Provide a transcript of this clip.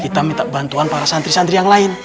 kita minta bantuan para santri santri yang lain